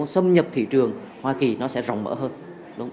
xâm nhập thị trường hoa kỳ nó sẽ rộng mở hơn